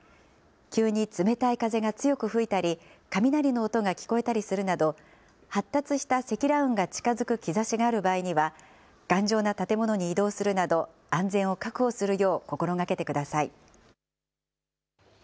急に冷たい風が強く吹いたり、雷の音が聞こえたりするなど、発達した積乱雲が近づく兆しがある場合には、頑丈な建物に移動するなど、安全を確保するよう心がけてください。